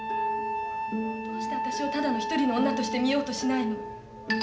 どうして私をただの１人の女として見ようとしないの？